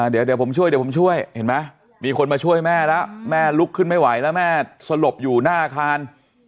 เดี๋ยวผมช่วยมีคนมาช่วยแม่แล้วแม่ลุกขึ้นไม่ไหวแม่สลบอยู่หน้าอาคาร